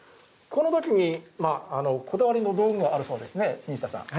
このときに、こだわりの道具があるそうですね。